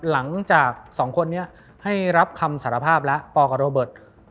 หลังจากสองคนนี้ให้รับคำสารภาพแล้วปกับโรเบิร์ต